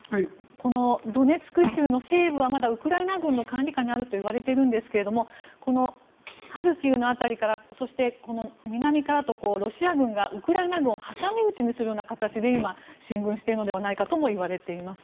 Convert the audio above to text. このドネツク州の西部はまだウクライナ軍の管理下にあるといわれているんですがこのハルキウの辺りからそして、この南からロシア軍がウクライナ軍を挟み撃ちにするような形で今、進軍しているのではないかともいわれています。